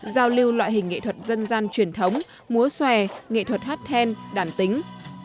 giao lưu loại hình nghệ thuật dân gian truyền thống múa xòe nghệ thuật hát then đàn tính